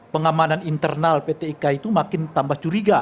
pengamanan internal pt ika itu makin tambah curiga